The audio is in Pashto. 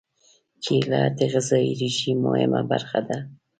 کېله د غذايي رژیم مهمه برخه ده.